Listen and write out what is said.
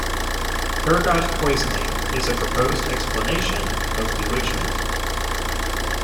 Ergot poisoning is a proposed explanation of bewitchment.